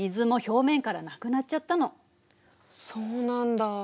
そうなんだ。